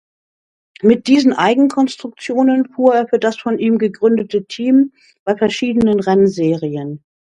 Mit diesen Eigenkonstruktionen fuhr er für das von ihm gegründete Team bei verschiedenen Rennserien.